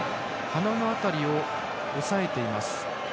鼻の辺りを押さえています。